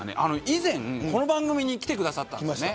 以前この番組に来てくださったんですよね。